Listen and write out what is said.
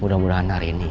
mudah mudahan hari ini